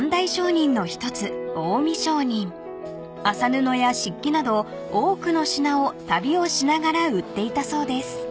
［麻布や漆器など多くの品を旅をしながら売っていたそうです］